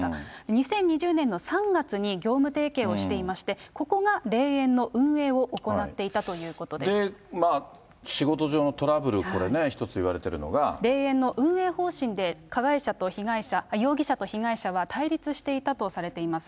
２０２０年の３月に業務提携をしていまして、ここが霊園の運営を仕事上のトラブル、これね、霊園の運営方針で、容疑者と被害者は対立していたとされています。